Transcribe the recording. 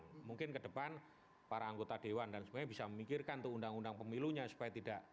jadi saya ingin ke depan para anggota dewan dan sebenarnya bisa memikirkan tuh undang undang pemilunya supaya tidak